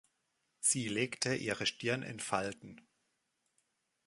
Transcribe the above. Sie legte ihre Stirn in Falten.